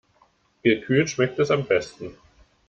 Gekühlt schmeckt es am besten.